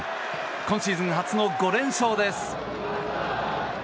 今シーズン初の５連勝です。